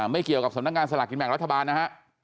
ไม่เกี่ยวกับสำนักงานสลากกินแบ่งรัฐบาลนะฮะ